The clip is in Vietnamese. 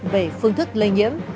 về phương thức lây nhiễm